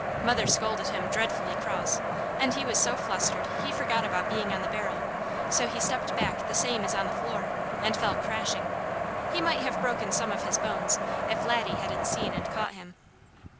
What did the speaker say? Mother scolded him dreadfully cross, and he was so flustered he forgot about being on the barrel, so he stepped back the same as on the floor, and fell crashing. He might have broken some of his bones, if Laddie hadn't seen and caught him.